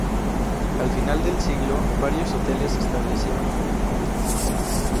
Al final del siglo, varios hoteles se establecieron en el Monte.